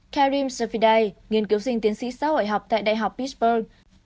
karim safidei nghiên cứu sinh tiến sĩ xã hội học tại đại học pittsburgh